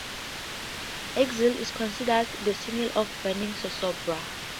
"Exiled" is considered the single of "Burning Sosobra".